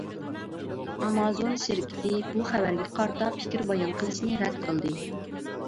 ئامازون شىركىتى بۇ خەۋەرگە قارىتا پىكىر بايان قىلىشنى رەت قىلدى.